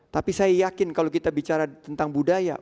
tapi saya yakin kalau kita bicara tentang budaya